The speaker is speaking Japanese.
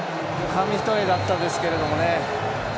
紙一重だったですけれどもね。